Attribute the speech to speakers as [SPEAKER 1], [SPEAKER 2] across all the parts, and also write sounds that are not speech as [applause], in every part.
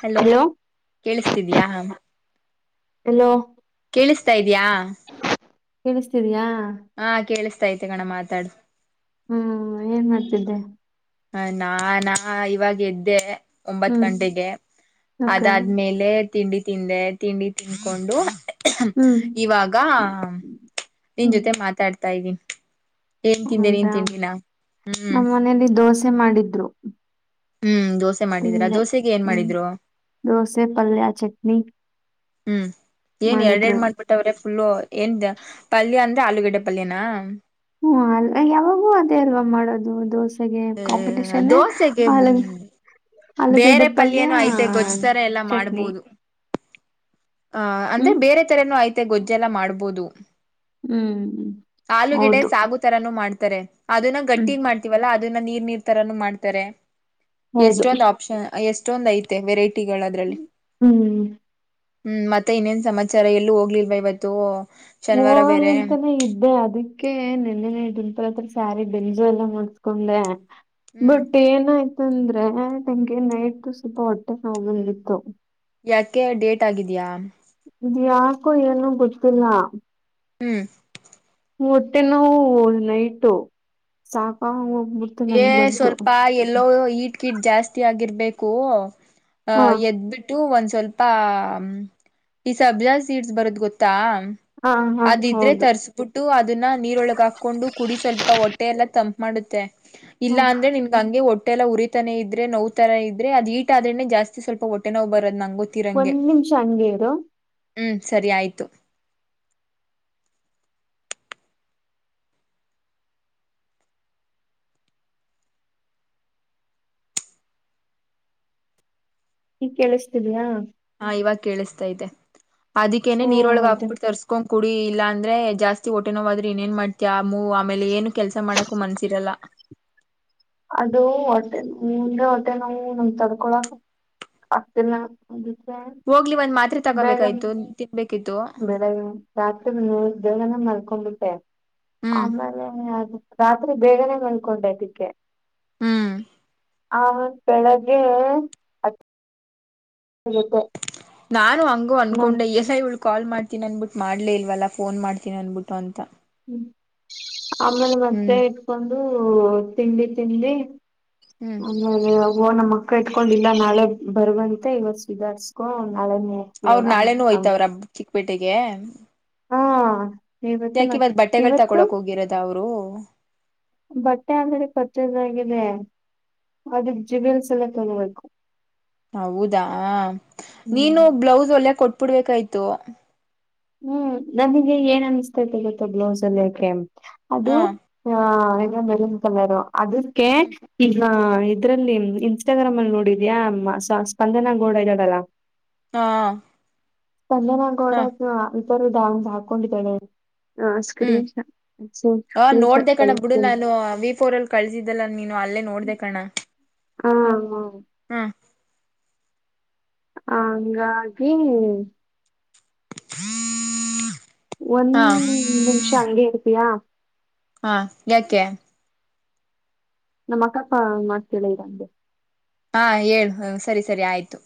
[SPEAKER 1] Hello ಕೇಳಿಸತಿದ್ಯಾ ಅ
[SPEAKER 2] hello
[SPEAKER 1] ಕೇಳಿಸ್ತಾ ಇದ್ಯಾ
[SPEAKER 2] ಕೇಳಿಸ್ತಿದಯಾ
[SPEAKER 1] ಹಾ ಕೇಳಿಸ್ತೈತೆ ಕಣ ಮಾತಾಡ
[SPEAKER 2] ಹ್ಮ್ ಏನ್ ಮಾಡ್ತಿದ್ದೆ
[SPEAKER 1] ಹ ನಾ ನಾ ಇವಾಗ ಎದ್ದೆ ಒಂಬತ್
[SPEAKER 2] ಹ್ಮ್
[SPEAKER 1] ಗಂಟೆಗೆ
[SPEAKER 2] ಓಕೆ
[SPEAKER 1] ಅದಾದ್ಮೇಲೆ ತಿಂಡಿ ತಿಂದೆ ತಿಂಡಿ ತಿನ್ಕೊಂಡು.
[SPEAKER 2] ಹ್ಮ್
[SPEAKER 1] ಇವಾಗ ನಿನ್
[SPEAKER 2] ಹ್ಮ್
[SPEAKER 1] ಜೊತೆ ಮಾತಾಡ್ತಾ ಇದ್ದೀನಿ. ಏನ್ ತಿಂದೆ ನೀನ್
[SPEAKER 2] ಹೌದಾ
[SPEAKER 1] ತಿಂಡಿನಾ ಹ್ಮ್
[SPEAKER 2] ನಮ್ಮ ಮನೇಲಿ ದೋಸೆ ಮಾಡಿದ್ರು
[SPEAKER 1] ಹ್ಮ್ ದೋಸೆ ಮಾಡಿದೀರಾ
[SPEAKER 2] ತಿಂದೆ
[SPEAKER 1] ದೋಸೆಗೆ ಏನ್
[SPEAKER 2] ಹ್ಮ್
[SPEAKER 1] ಮಾಡಿದ್ರು
[SPEAKER 2] ದೋಸೆ ಪಲ್ಯ ಚಟ್ನಿ
[SPEAKER 1] ಹ್ಮ್ ಏನ್ ಎರಡು
[SPEAKER 2] ಮಾಡಿದ್ರು
[SPEAKER 1] ಎರಡ್ ಮಾಡ್ಬಿಟ್ಟವ್ರೆ ಹಲೋ ಎಂತ ಪಲ್ಯ ಅಂದ್ರೆ ಆಲೂಗಡ್ಡೆ ಪಲ್ಯನಾ
[SPEAKER 2] ಹ್ಮ ಅಲ್ಲ ಯಾವಾಗೂ ಅದೇ ಅಲ್ವಾ ಮಾಡೋದು ದೋಸೆ ಕಾಂಪಿಟಷನ್
[SPEAKER 1] ದೋಸೆಗೆ
[SPEAKER 2] ಅ ಆಲೂಗಡ್ಡೆ
[SPEAKER 1] ಬೇರೆ
[SPEAKER 2] ಪಲ್ಯ
[SPEAKER 1] ಪಲ್ಯನೂ ಐತೆ ಗೊಜ್ತರ ಎಲ್ಲಾ
[SPEAKER 2] ಚಟ್ನಿ.
[SPEAKER 1] ಮಾಡ್ಬೋದು ಅ ಅಂದ್ರೆ
[SPEAKER 2] ಹ್ಮ್
[SPEAKER 1] ಬೇರೆ ತರನ ಐತೆ ಗೊಜ್ಜೆಲ್ಲ ಮಾಡ್ಬೋದು
[SPEAKER 2] ಹ್ಮ್
[SPEAKER 1] ಆಲೂಗಡ್ಡೆ
[SPEAKER 2] ಹೌದು
[SPEAKER 1] ಸಾಗು ತರಾನು ಮಾಡ್ತಾರೆ ಅದನ್ನ
[SPEAKER 2] ಹ್ಮ್
[SPEAKER 1] ಗಟ್ಟಿ ಮಾಡ್ತೀವಲ್ಲಾ ಅ ನೀರ್ ನೀರ್ ತರಾನ ಮಾಡ್ತಾರೆ
[SPEAKER 2] ಹೌದು
[SPEAKER 1] ಎಷ್ಟೊಂದು ಆಪ್ಷನ್ ಎಷ್ಟೊಂದ್ ಐತೆ ವೆರೈಟಿ. ಅದ್ರಲ್ಲಿ
[SPEAKER 2] ಹ್ಮ್
[SPEAKER 1] ಹ್ಮ್ ಮತ್ತೆ ಇನ್ನೇನ್ ಸಮಾಚಾರ ಎಲ್ಲೂ ಹೋಗ್ಲಿಲ್ವಾ ಇವತ್ತು. ಶನಿವಾರ
[SPEAKER 2] ಹೋಗೋಣ
[SPEAKER 1] ಬೇರೆ
[SPEAKER 2] ಅಂತ ಇದ್ದೆ ಅದಿ ಅದಕೆ ನೆನ್ನೆ ನ್ಪಲ್ತ್ರ ಸ್ಯಾರಿ ಬೆಂಜೋ ಎಲ್ಲಾ ನೋಡ್ಕೊಂಡೆ
[SPEAKER 1] ಹ್ಮ್
[SPEAKER 2] ಬಟ್ ಏನಾಯ್ತು ಅಂದ್ರೆ ನಂಗೆ ನೈಟ್ ಸ್ವಲ್ಪ ಹೊಟ್ಟೆ ಬಂದಿತ್ತು
[SPEAKER 1] ಯಾಕೆ ಡೇಟ್ ಆಗಿದೆಯಾ
[SPEAKER 2] ಇ ಯಾಕು ಏನು ಗೊತ್ತಿಲ್ಲಾ
[SPEAKER 1] ಹ್ಮ್
[SPEAKER 2] ಹೋಟ್ಟೆ ನಾವು ನೈಟು ಸಾಕ
[SPEAKER 1] ಏ ಸ್ವಲ್ಪ ಎಲ್ಲೋ ಹಿಟ್ ಗಿಟ್ ಜಾಸ್ತಿ ಆಗಿರ್ಬೇಕು ಅ ಹ
[SPEAKER 2] ಹಾ
[SPEAKER 1] ಎದ್ಬಿಟ್ಟು ಒಂದ್ಸ ಸ್ವಲ್ಪ ಈ ಸಬ್ಜಾ ಸೀಡ್ಸ್ ಬರೋತ್ತೆ ಗೊತ್ತಾ
[SPEAKER 2] ಹಾ ಹಾ
[SPEAKER 1] ಅದಿದ್ರೆ
[SPEAKER 2] ಹೌದು
[SPEAKER 1] ತರ್ಸ್ಬಿಟ್ಟು ಅದನ್ನ ನೀರೊಳಗ ಹಾಕೊಂಡು ಕುಡಿ ಸ್ವಲ್ಪ ಹೊಟ್ಟೆ ಎಲ್ಲ ತಂಪ ಮಾಡುತ್ತೆ
[SPEAKER 2] ಹ
[SPEAKER 1] ಇಲ್ಲ ಅಂದ್ರೆ ನಿನ್ಗ ಹಂಗೆ ಒಟ್ಟ ಹೊಟ್ಟೆ ಎಲ್ಲ ಉರಿತಾನೇ ಇದ್ರೆ ನೋವು ತರ ಇದ್ರೆ ಅದು ಹೀಟ್ ಆದ್ರೆ ಜಾಸ್ತಿ ಸ್ವಲ್ಪ ಹೊಟ್ಟೆ ನೋವು ಬರೋದ ನಂಗೆ
[SPEAKER 2] ಒಂದ್ ನಿಮಿಷ ಅಂಗೇರು
[SPEAKER 1] ಹ ಸರಿ ಆಯ್ತು
[SPEAKER 2] ಈ ಕೇಳ್ತಾ ಇದೀಯ
[SPEAKER 1] ಹಾ ಇವಾಗ ಕೇಳಿಸ್ತಾ ಐತೆ ಅದಿೇನೆೇ
[SPEAKER 2] ಹ್ಮ್
[SPEAKER 1] ನೀರೊಳಗ
[SPEAKER 2] ಅದೇ
[SPEAKER 1] ಹಾಕ್ಬಿಟ್ಟು ತರ್ಸ್ಕೊಂಡ ಕುಡಿ ಇಲ್ಲಾ ಅಂದ್ರೆ ಜಾಸ್ತಿ ಹೊಟ್ಟೆನೋವು ಆದ್ರೂ ಇನ್ೇನ್ ಮಾಡ್ತ ಆ ಮೂವ ಆಮೇಲೆ ಏನು ಕೆಲಸ ಮಾಡಕು ಮನ್ಸಿರಲ್ಲ
[SPEAKER 2] ಅದು ಹೊಟ್ಟೆ ಮುಂದೆ ಹೊಟ್ಟೆ ನಾವು ನನ್ಗೆ ತಡ್ಕೊಳಕ ಆಗ್ತಿಲ್ಲ
[SPEAKER 1] ಹೋಗ್ಲಿ ಒಂದ್ ಮಾತ್ರೆ ತಗೋಬೇಕ್ತು ತಿನ್ಬೇಕಿತ್ತು
[SPEAKER 2] ಬೆಳಗ್ ರಾತ್ರಿ ನೂರು ಬೇಗನೆ ಮಲ್ಕೊಂಡ್ಬಿಟ್ಟೆ
[SPEAKER 1] ಹ್ಮ್
[SPEAKER 2] ಆಮೇಲೆ ಅದು ರಾತ್ರಿ ಬೇಗನೆ ಮಾಲ್ಕೊಂಡೆ ಇದ್ದಕ್ಕೆ
[SPEAKER 1] ಹೂ
[SPEAKER 2] ಹ ಬೆಳಗ್ಗೆ ಗೊತ್ತೆ
[SPEAKER 1] ನಾನು ಹಂಗು ಅನ್ಕೊಂಡೆ ಎಸ್ ಐ ಉಳ್ ಕಾಲ್ ಮಾಡ್ೀನಿ ಅನ್ಬಿಟ್ಟ ಮಾಡಲೇ ಇಲ್ವಲ್ಲ ಫೋನ್ ಮಾಡ್ತನಿ ಅನ್ಬಿಟ್ಟು ಅಂತ
[SPEAKER 2] ಆಮೇಲೆ ಮತ್ತೆ
[SPEAKER 1] ಹ್ಮ್
[SPEAKER 2] ಇಟ್ಕೊಂಡು ತಿಂಡಿ ತಿಂಡಿ
[SPEAKER 1] ಹ್ಮ್
[SPEAKER 2] ಆಮೇಲೆ ಅವು ಓ ನಮ್ಮ ಅಕ್ಕ ಇಟ್ಕೊಂಡ ಇಿಲ್ಲ ನಾಳೆ ಬರುವಂತೆ ಇವತ್ತು ಸಧಾರ್ಸ್ಕೊಂಡ ನಾಳೆೇ ಹೇರ್ತೀವೇ ಹ ಹ
[SPEAKER 1] ಪೇಟೆಗೆ
[SPEAKER 2] ಹಾ ಇವತ್ತು
[SPEAKER 1] ಯಾಕ
[SPEAKER 2] ಮತ್
[SPEAKER 1] ಇಿವತ್ ಬಟ್ಟೆಗಳು
[SPEAKER 2] ಇವತ್ತು
[SPEAKER 1] ತಕೊಳಕ್ ಹೋಗಿರೋದ ಅವ್ರು
[SPEAKER 2] ಬಟ್ಟೆ ಅಂದ್ರೆ ಪಚ್ಚೆನ್ನಾಗಿದೆ ಅದ ಜಿಬಲ್ಸ್ ಎಲ್ಲ ತಗೋಬೇಕು
[SPEAKER 1] ಹೌದಾ
[SPEAKER 2] ಹ್ಮ್
[SPEAKER 1] ನೀನು ಬ್ಲೌಸ್ ಒಲೆಯಾಕೆ ಕೊಟ್ಬಿಡ್ಬೇಕಾಯ್ತು
[SPEAKER 2] ಹೂ ನನಗೆ ಏನ್ನ್ಿಸ್ತತೆಗೊತ್ತೋ ಬ್ಲೌಸ್ ಅಲ್ಲಿಯ ಕೆಂ
[SPEAKER 1] ಹ
[SPEAKER 2] ಅದು ಆ ಇದು ಮೆರನ್ ಕಲರ್ ಅದಕ್ಕೆ
[SPEAKER 1] ಹ್ಮ್
[SPEAKER 2] ಈ ಹಾ ಇದ್ರಲ್ಲಿ ಇನ್ಸ್ಟಾಗ್ರಾಮ್ ಅಲ್ಲಿ ನೋಡಿದ್ಯಾ ಸ್ಪಂದನಾ ಗೋಡ ಇದ್ದಳಲಾ
[SPEAKER 1] ಹಾ
[SPEAKER 2] ಸ್ಪಂದನ ಗೌಡ ಅದ್ನ ಇತರ ಹಾಕೊಂಡಿದ್ದಾಳೆ ಹ
[SPEAKER 1] ಹೂ
[SPEAKER 2] ಸ್ಕ್ರೀನ್ ಶಾಟ್
[SPEAKER 1] ಹ
[SPEAKER 2] ಸ್ಕ್ರೀನ್ ಶಾಟ್
[SPEAKER 1] ನೋಡ್ದ ಕಣ ಬಿುಡು
[SPEAKER 2] ಕಳಿಸ್ತೀನಿ
[SPEAKER 1] ನಾನು ವಿಫೋರ್ ಅಲ್ಲಿ ಕಳಸಿದ್ದಲ್ಲ ನೀನು ಅಲ್ಲೇ ನೋಡ್ದ ಕಣ
[SPEAKER 2] ಹಾ
[SPEAKER 1] ಹಾ
[SPEAKER 2] ಹಂಗಾಗಿ ಒಂದ್
[SPEAKER 1] ಹಾ
[SPEAKER 2] ನಿಮಿಷ ಹಂಗೆ ಇರ್ತೀಯ
[SPEAKER 1] ಹಾ ಯಾಕೆ
[SPEAKER 2] ನಮ್ಮ ಅಕ್ಕಪ್ಪ ಮಾತ ಕೇಳಲ್ಲ ಅದ್ಕೆ
[SPEAKER 1] ಹಾ ಹೇಳು ಹ ಸರಿ ಸರಿ ಆಯ್ತು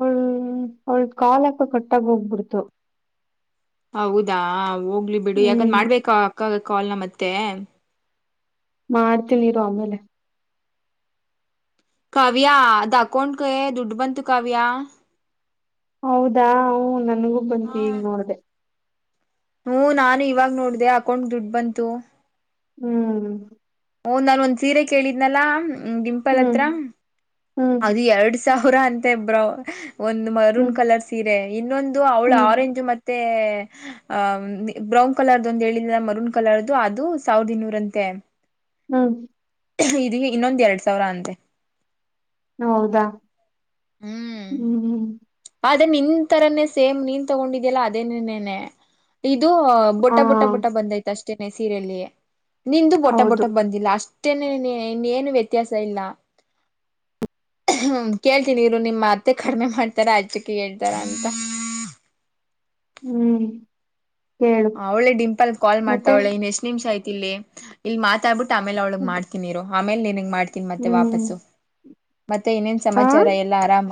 [SPEAKER 2] ಹೂ ಅವಳು ಕಾಲಕ್ಕ ಕಟ್ಟಾಗ ಯಾಕೋ ಹೋಗಿಬಿಡ್ತು
[SPEAKER 1] ಹೌದಾ ಹೋಗ್ಲಿ ಬಿಡು ಯಾಕಂದ್ ಮಾಡ್ಬೇಕ ಅಕ್ಕ ಕಾಲ್ನ ಮತ್ತೆ
[SPEAKER 2] ಮಾಡ್ತೀನಿ ಇರು ಆಮೇಲೆ
[SPEAKER 1] ಕಾವ್ಯ ಅದು ಅಕೌಂಟ್ ಗೆ ದುಡ್ಡು ಬಂತು ಕಾವ್ಯ
[SPEAKER 2] ಹೌದಾ ಹೂ ನಂಗೂ ಬಂತು ಈಗ ನೋಡ್ದ
[SPEAKER 1] ಹೂ ನಾನು ಇವಾಗ ನೋಡ್ದೆ ಅಕೌಂಟ್ ದುಡ್ಡು ಬಂತು
[SPEAKER 2] ಹ್ಮ್
[SPEAKER 1] ಓಹ್ ನಾನ ಒಂದ್ ಸೀರೆ ಕೇಳಿದ್ನಲ್ಲಾ ಡಿಂಪಲ್
[SPEAKER 2] ಹ್ಮ್
[SPEAKER 1] ಹತ್ರ
[SPEAKER 2] ಹ್ಮ್
[SPEAKER 1] ಅದು ಎರಡ್ ಸೌರಾ ಅಂತ ಇಬ್ರೋ ಒಂದು ಮರೂನ್
[SPEAKER 2] ಹ್ಮ್
[SPEAKER 1] ಕಲರ್ ಸೀರೆ ಇನ್ನೊಂದು ಅವಳ
[SPEAKER 2] ಹ್ಮ್
[SPEAKER 1] ಆರೆಂಜ್ ಮತ್ತೆ ಅಹ ಬ್ರೌನ್ ಕಲರ್ದು ಒಂದು ಹೇಳಿದಿಲ್ಲ ಮರೂನ್ ಕಲದ್ರು ಅದು ಸಾವಿರದ ಇನ್ನೂರಂತೆ
[SPEAKER 2] ಹ್ಮ
[SPEAKER 1] ಇದ ಇನ್ನೊಂದ ಎರಡ್ ಸಾವಿರ ಅಂತೆ
[SPEAKER 2] ಹೌದಾ ಹ್ಮ್ ಹ್ಮ್
[SPEAKER 1] ಅದೇ ನಿನ್ ತರನೇ ಸೇಮ್ ನೀನ್ ತಗೊಂಡಿದೀಲ್ಲ ಅದೇೇನೆ ಇದು ಬೊಟ
[SPEAKER 2] ಹಾ
[SPEAKER 1] ಬುಟ್ಟ ಬುಟ್ಟ ಬಂದೈತ ಅಷ್ಟೇನೆ ಸೀರೆೆಯಲ್ಲಿ ನಿಂದು ಬೊಟ ಬೊಟ
[SPEAKER 2] ಹೌದು
[SPEAKER 1] ಬಂದಿಲ್ಲ ಅಷ್ಟ ಇ ಏನು ವ್ಯತ್ಯಾಸ ಇಲ್ಲ ನೀರು ನಿಮಮ್ಮ ಮಾತೆೆ ಕಡಿಮೆ ಮಾಡ್ತಾರ ಅಕ್ಕೆ ಹೇಳ್ತಾರ ಅಂತ
[SPEAKER 2] ಹ್ಮ್ ಹೇಳು
[SPEAKER 1] ಒಳ್ಳೆ ಡಿಂಪಲ್ ಕಾಲ್ ಮಾಡ್ತಾ
[SPEAKER 2] ಮತ್ತೆ
[SPEAKER 1] ಒಳ್ಳೆ ಇನ್ ಎಷ್ಟ್ ನಿಮಿಷ ಆಯ್ತಿ ಇಲ್ಲಿ ಇಲ್ಲಿ ಮಾತಾಡ್ಬಿಟ್ಟು ಮ ಆಮೇಲೆ ಅವ್ಳಗ್ ಮಾಡ್ತೀನಿ ಇರ ಆಮೇಲೆ ನಿನ್ಗ್ ಮಾಡ್ತೀಮತ್ತೆ
[SPEAKER 2] ಹ್ಮ್
[SPEAKER 1] ವಾಪಸು ಮತ್ತೆ ಇನೇನ್
[SPEAKER 2] ಆ
[SPEAKER 1] ಸಮಾಚಾರ ಎಲ್ಲ ಆರಾಮ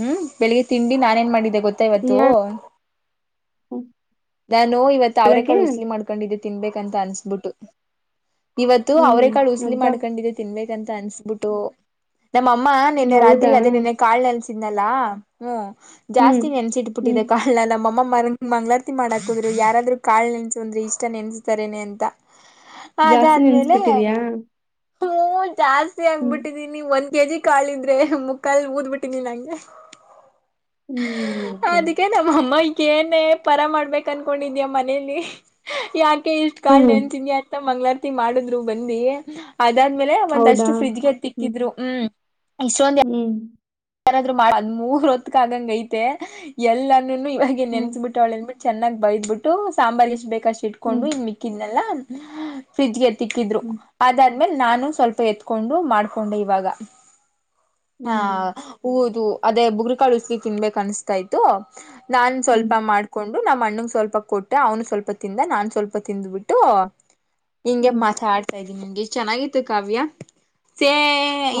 [SPEAKER 1] ಹ್ಮ್ ಬೆಳಿಗ್ಗೆ ತಿಂಡಿ ನಾನ ಏನ್ ಮಾಡಿದ್ದ ಗೊತ್ತ ಇವತ್ತು ನಾನು ಇವತ್ತು ಅವ್ರ
[SPEAKER 2] ಬೆಳಗ್ಗೆ
[SPEAKER 1] ಕಳು ಉಸ್ಲಿ ಮಾಡ್ಕೊಂಡಿದ್ದ ತಿನ್ಬೇಕಂತ ಅನ್ಸ್ಬಿಟ್ಟು ಇವತ್ತು
[SPEAKER 2] ಹ್ಮ್
[SPEAKER 1] ಅವರೇ ಕಾಳು ಉಸಲಿ
[SPEAKER 2] ಅಬ್ಬಾ
[SPEAKER 1] ಮಾಡ್ಕೊಂಡಿದೆ ತಿನ್ಬೇಕಂತ ಅನ್ಸ್ಬಿಟ್ಟು ನಮ್ಮಅಮ್ಮ ನಿನ್ನೆ ರಾತ್ರಿ
[SPEAKER 2] ಹೌದಾ
[SPEAKER 1] ಅದೇ ನಿನ್ನೆ ಕಾಳ ನೆಲ್ಸಿದ್ನಲ್ಲಾ ಹ್ಮ್
[SPEAKER 2] ಹ್ಮ್
[SPEAKER 1] ಜಾಸ್ತಿ
[SPEAKER 2] ಹ್ಮ್
[SPEAKER 1] ನೆನ್ಸಿಟ್ಬಿಟ್ಟಿದೆ ಕಾಳನ ನಮ್ಮ ಮ ಮಂಗ್ಲಾರ್ತಿ ಮಾಡ ಹಕುದ್ರು ಯಾರಾದ್ರು ಕಾಳ ನೆನ್ಸಂದ್ರೆ ಇಷ್ಟ ನೆನೆಸ್ತಾರನೆ ಅಂತ
[SPEAKER 2] ಜಾಸ್ತಿ
[SPEAKER 1] ಅದಾದ್ಮೇಲೆ
[SPEAKER 2] ನೆನ್ಸ್ಬಿಟ್ಟಿದ್ಯಾ
[SPEAKER 1] ಹ್ಮ ಜಾಸ್ತಿ
[SPEAKER 2] ಹ್ಮ್
[SPEAKER 1] ಆಗ್ಬಿಟ್ಟಿದೀನಿ ಒಂದ ಗಜಿ ಕಾಳಿದ್ರೆ ಮುಕ್ಕಾಲ್ ಊದ್ ಬಿಟ್ಟಿನಿ ನಂಗೆ
[SPEAKER 2] ಹ್ಮ್ ಓಕೆ
[SPEAKER 1] ಅದಕ್ಕೆ ನಮ್ಮ ಅಮ್ಮಗಏನೇ ಪರ ಮಾಡ್ಬೇಕು ಕನ್ಕೊಂಡಿದ್ಯಾ ಮನೇಲಿ ಯಾಕೆ ಇಷ್ಟು ಕಾಳ
[SPEAKER 2] ಹ್ಮ್
[SPEAKER 1] ನೆನ್ಸಿನಿ ಆತ ಮಂಗ್ಗಳಾರತಿ ಮಾಡಿದ್ರು ಬಂದಿ ಅದಾದ್ಮೇಲೆ
[SPEAKER 2] ಹೌದಾ
[SPEAKER 1] ಒಂದಷ್ಟು ಫ್ರಿಜ್ಗೆ ತಿಕ್ಕಿದ್ರು ಹ್ಮ್ ಇಷ್ಟೊಂದ
[SPEAKER 2] ಹ್ಮ್
[SPEAKER 1] ಯಏನಾದ್ರರು ಮಾಡ ಅದ್ ಮೂರ್ ಹೊತ್ತಕ್ ಆಗಂಗ ಐತೆ ಎಲ್ಲಾನನು ಇವಾಗ
[SPEAKER 2] ಹ್ಮ್
[SPEAKER 1] ನೆನ್ಸಬಿಟ್ಟ ಅವಳ ಅನ್ಬಿಟ್ಟ ಚೆನ್ನಾಗ್ ಬೈದ್ ಬಿಟ್ಟು ಸಾಂಬಾರ್ ಎಷ್ಟ ಬೇಕ ಅಷ್ಟ ಇಟ್ಕೊಂಡು
[SPEAKER 2] ಹ್ಮ್
[SPEAKER 1] ಇ ಮಿಕ್ಕಿದನೆಲ್ಲ ಫ್ರಿಜ್ಗೆ ತಿಕ್ಕಿದ್ರು
[SPEAKER 2] ಹ್ಮ್
[SPEAKER 1] ಅದಾದ್ಮೇಲೆ ನಾನು ಸ್ವಲ್ಪ ಎತ್ಕೊಂಡು ಮಾಡ್ಕೊಂಡೆ ಇವಾಗ ಹಾ
[SPEAKER 2] ಹ್ಮ್
[SPEAKER 1] ಹಊದು ಅದೇ ಬುಗ್ರಕಾಳ ಉಸ್ಲಿ ತಿನ್ಬೇಕ ಅನ್ಸ್ತಾ ಇ್ತತ್ತು ನಾನ್
[SPEAKER 2] ಹ್ಮ್
[SPEAKER 1] ಸ್ವಲ್ಪ ಮಾಡ್ಕೊಂಡು ನಮ್ಮ ಅಣ್ಣಗ್ ಸ್ವಲ್ಪ ಕೊಟ್ಟ ಅವನು ಸ್ವಲ್ಪ ತಿಂದ ನಾ ಸ್ವಲ್ಪ ತಿಂದ್ಬಿಟ್ಟು ಹಿಂಗೆ
[SPEAKER 2] ಹ್ಮ್
[SPEAKER 1] ಮಾತಾಡ್ತಾ ಇದ್ದೀನಿ ನಿಮಗೆ ಇಷ್ಟ ಚೆನ್ನಾಗಿತ್ತು ಕಾವ್ಯ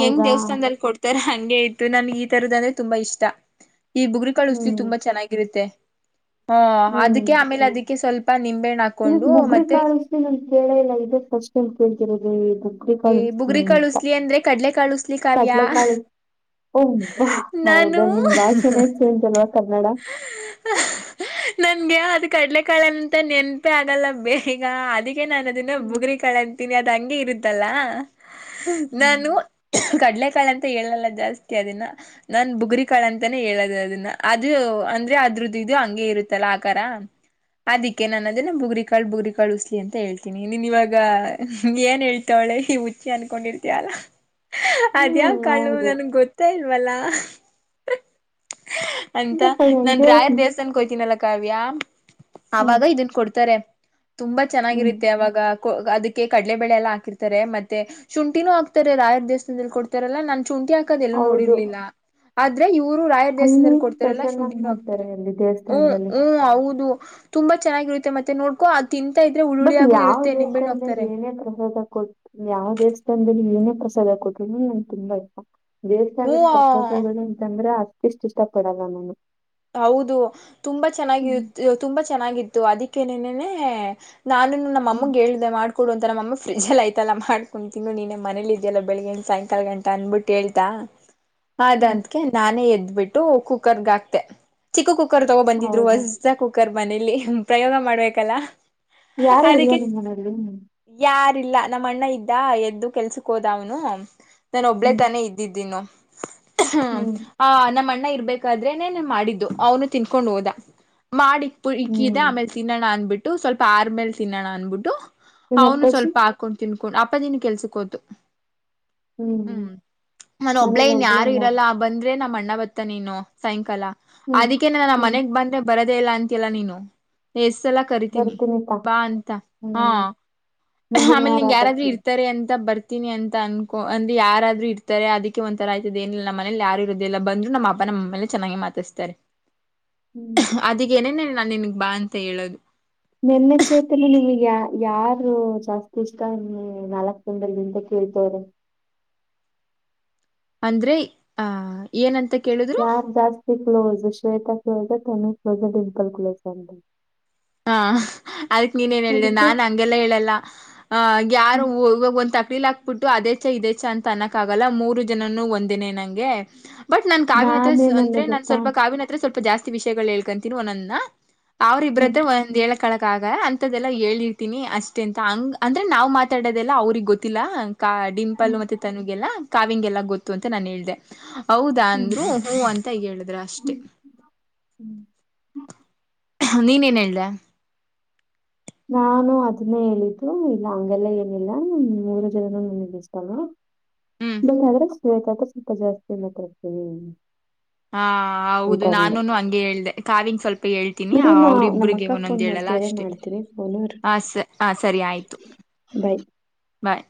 [SPEAKER 1] ಹೆಂಗ್ ದೇವಸ್ಥಾನದಲ್ಲಿ ಕೊಡ್ತಾರ ಹಂಗೆ ಇತತ್ತು ನಮಗೆ ಈ ತರದ ಅಂದ್ರೆ ತುಂಬಾ ಇಷ್ಟ ಈ ಬುಗ್ರಕಾಳ ಉಸ್ಲಿ
[SPEAKER 2] ಹ್ಮ್
[SPEAKER 1] ತುಂಬಾ ಚೆನ್ನಾಗಿರುತ್ತೆ ಹ ಅದಕ್ಕೆ ಆಮೇಲೆ ಅದಕ್ಕೆ ಸ್ವಲ್ಪ ನಿಮ
[SPEAKER 2] ಇದಕ್ಕೆ ಮುಗರಿ ಕಾಳಷ್ಟೇ ನಮ ಕೇಳ ಇಲ್ಲ ಇ ಫಸ್ಟ್ ಏ ಕೇಳ್ತಿರೋದು
[SPEAKER 1] ಈ
[SPEAKER 2] ಕಳಲಿ
[SPEAKER 1] ಬುಗ್ರಿ ಕಾಳುಸ್ಲಿ ಅಂದ್ರೆ ಕಡ್ಲೆ ಕಾಳುಸ್ಲಿ ಕಾವ್ಯ
[SPEAKER 2] ಕಟ್ಲೆ ಕಳ ಓ
[SPEAKER 1] ನಾನು
[SPEAKER 2] ಬಾ ನಿಮ್ ಭಾಷೆನೇ ಚೇಂಜ್ ಆಲ್ವಾ ಕನ್ನಡ
[SPEAKER 1] ನ [unintelligible] ನನ್ಗೆ ಅದು ಕಡಲೆಕಾಳ ಅಂತ ನೆನಪೆ ಆಗಲ್ಲ ಬೇಗ ಅದಕ್ಕೆ ನಾನು ಅದನ್ನ
[SPEAKER 2] ಹ್ಮ್
[SPEAKER 1] ಬುಗ್ರಿ ಕಾಳು ಅಂತ ದೀನಿ ಅದು ಹಂಗೆ ಇರುತ್ತಲ್ಲ ನಾನು
[SPEAKER 2] ಹ್ಮ್
[SPEAKER 1] ಕಡ್ಲೆಕಾಳ ಅಂತ ಹೇಳಲ್ಲ ಜಾಸ್ತಿ ಅದನ್ನ ನಾನ್ ಬುಗ್ರಿ ಕಾಳು ಅಂತಾನೇ ಹೇಳದು ಅದನ್ನ ಅದು ಅಂದ್ರೆ ಅದ್ರದ್ದು ಇದು ಹಂಗೆ ಇರುತ್ತಲ್ಲ ಆಕಾರ ಅದಿಕ್ಕೆ ನಾನು ಅದನ್ನ ಬುಗ್ರಿಕಾಳ್ ಬುಗ್ರಿಕಾಳ್ ಉಸ್ಲಿ ಅಂತ ಹೇಳ್ತೀನಿ ನೀನ್ ಇವಾಗ ಏನ್ ಹೇಳ್ತೀಯ ತೊಳೆ ಹುಚ್ಚಿ ಅನ್ಕೊಂಡಿರ್ತಯಲ್ಲ ಅದ್ಯಾ
[SPEAKER 2] ಹ್ಮ್
[SPEAKER 1] ಕಳು
[SPEAKER 2] ಹೌದು
[SPEAKER 1] ನನ್ ಗೊತ್ತ [unintelligible] ಸೇಲ್ವಲ್ಲ [unintelligible] ಅಂತ
[SPEAKER 2] ಇದೇ ಪ-
[SPEAKER 1] ನಾನ್
[SPEAKER 2] ಇದೇ
[SPEAKER 1] ರಾಯರ್ ದೇವಸ್ಥಾನೋಯ್ತೀನಲ್ಲ ಕಾವ್ಯ
[SPEAKER 2] ಹ್ಮ್
[SPEAKER 1] ಅವಾಗ ಇದನ್ ಕೊಡ್ತಾರೆ ತುಂಬಾ
[SPEAKER 2] ಹ್ಮ್
[SPEAKER 1] ಚೆನ್ನಾಗಿರುತ್ತೆ ಅವಾಗ ಅದಕ್ಕೆ ಕಡಲೆ ಬೆಳೆ ಎಲ್ಲ ಹಾಕಿರ್ತಾರೆ ಮತ್ತೆ ಶುಂಠಿನೂ ಹಾಕ್ತಾರೆ ರಾಯರ್ ದೇವಸ್ತಾನದಲ್ಲಿ ಕೊಡ್ತಾರಲ್ಲಾ ನಾನ್ ಶುಂಠಿ ಹಾಕದ ಎಲ್ಲೂ
[SPEAKER 2] ಹೌದು
[SPEAKER 1] ನೋಡಿರ್ಲಿಲ್ಲ ಆದ್ರೆ ಇವ್ರು ರಾಯರ್
[SPEAKER 2] ಅಲ್ಲಿ
[SPEAKER 1] ದೇವಸ್ತಾದಲ್ಲಿ ಕೊಡ್ತಾರಲ್ಲಾ
[SPEAKER 2] ಸ್ಪೆಷಲ್ ಆಗಿ
[SPEAKER 1] ಶುಂಠಿನು ಆಕ್ತಾರೆ
[SPEAKER 2] ಮಾಡ್ತಾರೆ ಅಲ್ಲಿ
[SPEAKER 1] ಉ
[SPEAKER 2] ದೇವಸ್ಥಾನದಲ್ಲಿ
[SPEAKER 1] ಉ ಹೌದು ತುಂಬಾ ಚೆನ್ನಾಗಿರುತ್ತೆ ಮತ್ತೆ ನೋಡ್ಕೋ
[SPEAKER 2] ಬಟ್ ಯಾವ ದೇವಸ್ತಾನದಲ್ಲಿ
[SPEAKER 1] ಹಾಕ್ತಾರೆ
[SPEAKER 2] ಏನೇ ಪ್ರಸಾದ ಕೊಡ್ ಯಾವ ದೇವಸ್ಥಾನದಲ್ಲಿ ಏನೇ ಪ್ರಸಾದ ಕೊಟ್ರುನು ನು ತಿನ್ಬೇಕು ದೇವಸ್ಥಾನದಲ್ಲಿ
[SPEAKER 1] ಹ್ಮ
[SPEAKER 2] ಪ್ರಸಾದ ಅಂತಂದ್ರೆ ಅಷ್ಟು ಇಷ್ಟ ಪಡಲ್ಲ ನಾನು
[SPEAKER 1] ಹೌದು ತುಂಬಾ ಚೆನ್ನಾಗಿ
[SPEAKER 2] ಹ್ಮ್
[SPEAKER 1] ತುಂಬಾ ಚೆನ್ನಾಗಿತ್ತು ಅದಕ್ಕೆ ನೆನ್ನೆ ನೇ ನಾನು ನಮ್ಮ
[SPEAKER 2] ಹ್ಮ್.
[SPEAKER 1] ಅಮ್ಮಂಗೆ ಹೇಳಿದೆ ಮಾಡ [unintelligible] ಅ
[SPEAKER 2] ಹ್ಮ್
[SPEAKER 1] ಅದಕ್ಕೆ ನಾನೇ ಎದ್ಬಿಟ್ಟು ಕುಕ್ಕರ್ಗ ಆಕ್ತೆ ಚಿಕ್ಕ ಕು ಕುಕ್ಕರ್ ತಗೋ ಬಂದಿದ್ರು
[SPEAKER 2] ಹೌದಾ
[SPEAKER 1] ಹೊಸ ಕುಕ್ಕರ್ ಮನೇಲಿ ಪ್ರಯೋಗ ಮಾಡ್ಬೇಕಲ್ಲ
[SPEAKER 2] ಯಾರು ಇಲ್ವಾ
[SPEAKER 1] ಅದಿಕ್ಕೆ
[SPEAKER 2] ನಿಮ್ ಮನೇಲಿ?
[SPEAKER 1] ಯಾರ್ ಇಲ್ಲ ನಮ್ಮ ಅಣ್ಣ ಇದ್ದ ಎದ್ದು ಕೆಲಸಕ್ಕೆ ಹೋದ ಅವ್ನು ನಾನ ಒಬ್ಳೇ
[SPEAKER 2] ಹ್ಮ್
[SPEAKER 1] ತಾನೇ ಇದ್ದಿದ್ದೀನು ಹ್ಮ
[SPEAKER 2] ಹ್ಮ್
[SPEAKER 1] ಆ ನಮ್ಮ ಅಣ್ಣ ಇರ್ಬೇಕಾದ್ರೆನೆ ಮಾಡಿದ್ದು ಅವನು ತಿನ್ಕೊಂಡ್ ಹೋದ ಮಾಡಿಕ್ಕೆ ಇದೆ,
[SPEAKER 2] ಹ್ಮ್
[SPEAKER 1] ಆಮೇಲೆ ತಿನ್ನೋಣ ಅಂದ್ಬಿಟ್ಟು, ಸ್ವಲ್ಪ ಆರಿದ್ ಮೇಲೆ ತಿನ್ನೋಣ ಅಂದ್ಬಿಟ್ಟು
[SPEAKER 2] ನಿಮ್
[SPEAKER 1] ಅವನು
[SPEAKER 2] ಅಪ್ಪಾಜಿ?
[SPEAKER 1] ಸ್ವಲ್ಪ ಹಾಕೊಂಡ್ ತಿನ್ಕೊಂಡ್ ಅಪ್ಪಾಜಿನು ಕೆಲ್ಸಕ್ ಹೋತು
[SPEAKER 2] ಹ್ಮ್ ಮನೇಲಿ
[SPEAKER 1] ಇನ್
[SPEAKER 2] ಒಬ್ಳೆ
[SPEAKER 1] ಯಾರು
[SPEAKER 2] ಅಲ್ಲ?
[SPEAKER 1] ಇರಲ್ಲ ಬಂದ್ರೆ ನಮ್ಮ ಆವತ್ತ ನೀನು ಸಾಯಂಕಾಲ
[SPEAKER 2] ಹ್ಮ್
[SPEAKER 1] ಅದಕ್ಕೇ ನ
[SPEAKER 2] ಹ್ಮ್
[SPEAKER 1] ಮನೆಗ್ ಬಂದ್ರೆ ಬರ ಕರಿದೇ ಇಲ್ಲ ಅಂತಲ್ಲ ನೀನು ಎಸ್ಸಲ ಕರಿತೀನಿ
[SPEAKER 2] ಬರ್ತೀನಿಪಾ
[SPEAKER 1] ಬಾ ಅಂತ ಹಾ
[SPEAKER 2] ಹ್ಮ್
[SPEAKER 1] ಹ್ಮ
[SPEAKER 2] ಮುಂದಿನ
[SPEAKER 1] ಆಮೇಲೆ
[SPEAKER 2] ವಾರ
[SPEAKER 1] ನಿಂಗ ಯಾರಾದ್ರೂ
[SPEAKER 2] ಬರ್ತೀನಿ.
[SPEAKER 1] ಇರ್ತಾರೆ ಅಂತ ಬರ್ತ ಇಿನನಿ ಅನ್ಕೋ ಅಂದ್ರ ಯಾರ್ರರು ಇರ್ತಾರೆ ಅದಕ್ಕೆ ಒಂಂತರ ಆ್ತದ ಏನಿಲ್ಲ ನಮ್ಮನೇಲಿ ಯಾರು ಇರೋದಿಲ್ಲಲ್ಲ ಬಂದ್ ನಮ್ಮ ಅನ ನಮ್ಮೆಲ್ಲ ಚನ್ನಾಗಿ ಮಾತಾಡಿಸ್ತಾರೆ
[SPEAKER 2] ಹ್ಮ್
[SPEAKER 1] ಅದಗ ಏನೇನೇ ನಾ ನಿನ್ಗ್ ಬಾ ಅಂತ ಹೇಳೋದು
[SPEAKER 2] ನೆನ್ನ ಚೇತನ ನಿಮಗೆ ಯ ಯಾರು ಜಾಸ್ತಿ ಇಷ್ಟ ನಾಲ್ಕ್ ದಿನದಲ್ಲಿ ಹೇಳ್ತಾರೆ
[SPEAKER 1] ಅಂದ್ರಿ ಆ ಏನಂತ ಕೇಳಿದ್ರು
[SPEAKER 2] ಯಾರ ಜಾಸ್ತಿ close Shweta close Tanu close ಇಂಪಲ್ ಕ್ಲೋ ಆ
[SPEAKER 1] ಹ್ಮ ಅದಕ್ ನೀನ್ ನ್ ಹೇಳಿದೆ ನಾನ್ ಹಂಗೆಲ್ಲ ಹೇಳಲ್ಲ ಆ ಯಾರು ಹವಾಗ ಫೀಲ್ ಹಾಕ್ಬಿಟ್ಟು ಅದೇ ಚ ಇದೇ ಚ ಅಂತ ಅನ್ನಕ್ ಆಗಲ್ಲ ಮೂರು ಜನನು ಒಂದೇನೆ ನಂಗೆ ಬಟ್ ನಾನ್ ಕಾವ್ಯ ಹತ್ರ
[SPEAKER 2] ನಾನೇನಂದೆ
[SPEAKER 1] ಅಂದ್ರೆ ನಾನನ್
[SPEAKER 2] ಗೊತ್ತಾ
[SPEAKER 1] ಸ್ವಲ್ಪ ಕಾವ್ಯ ಹತ್ರ ಸ್ವಲ್ಪ ಜಾಸ್ತಿ ವಿಷಯಗಳು ಹೇಳ್ಕೊಂತೀನಿ ಒಂದೂಂದಿನ ಅವ್ರ
[SPEAKER 2] ಹ್ಮ್
[SPEAKER 1] ಇಬ್ರತ್ರ ಒಂದ್ ಎಳಕ್ ಕಳಗಗ ಅಂತ್ದದೆಲ್ಲಾ ಹೇಳಿರ್ತೀನಿ ಅಷ್ಟೇ ಅಂತ ಹಂಗ ಅಂದ್ರೆ ನಾವ್ ಮಾತಾಡೋದೆಲ್ಲ ಅವ್ರಗ್ ಗೊತ್ತಿಲ್ಲ ಕ ಡಿಂಪಲ್
[SPEAKER 2] ಹ್ಮ್
[SPEAKER 1] ಮತ್ತೆ ತನುಗೆಲ್ಲ ಕಾವ್ಯಂಗೆಲ್ಲ ಗೊತ್ತು ಅಂತ ನಾನ್ ಹೇಳ್ದೆ ಹೌದಾ
[SPEAKER 2] ಹ್ಮ್
[SPEAKER 1] ಅಂದ್ರು ಹೂ ಅಂತ ಹೇಳಿದ್ರ ಅಷ್ಟೆ
[SPEAKER 2] ಹ್ಮ್
[SPEAKER 1] ಹ್ಮ ನೀನ್ ಏನ್ ಹೇಳ್ದೆ
[SPEAKER 2] ನಾನು ಅದನ್ನೇ ಹೇಳಿದ್ದು ಇಲ್ಲ ಹಗೆಲ್ಲ ಏನಿಲ್ಲ ಮೂರು ಜನನು ನನಿಗೆ ಇಷ್ಟ
[SPEAKER 1] ಹ್ಮ್
[SPEAKER 2] ಬಂದಾದ್ರೆ ಶವೇತ ಸ್ವಲ್ಪ ಜಾಸ್ತಿ ಮಾತರ್ತವಿ
[SPEAKER 1] ಹಾ ಹೌದು ನಾನೂನು ಹಂಗೆ ಹೇಳ್ದೆ ಕಾವ್ಯಂಗೆ ಸ್ವಲ್ಪ ಹೇಳ್ತಿನನಿ
[SPEAKER 2] ಇರು ನಾ ನಮ್ಮ
[SPEAKER 1] ಅವ್ರಿಬ್ರಿಗೆ
[SPEAKER 2] ಅಕ್ಕ ಫೋನ್
[SPEAKER 1] ಒನೊಂದ್ ಹೇಳಲ್ಲ
[SPEAKER 2] ಮಾಡ್ತೀನಿ ಫೋನು ಇರು,
[SPEAKER 1] ಹಾ ಸ ಹಾ ಸರಿ ಆಯ್ತು
[SPEAKER 2] ಬೈ
[SPEAKER 1] ಬಾಯ್